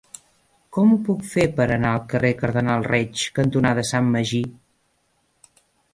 Com ho puc fer per anar al carrer Cardenal Reig cantonada Sant Magí?